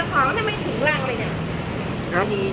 ของนี้ไม่ถึงรังเลยเนี่ย